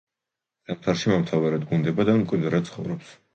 ზამთარში მომთაბარეობს გუნდებად ან მკვიდრად ცხოვრობს.